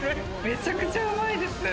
めちゃくちゃうまいです！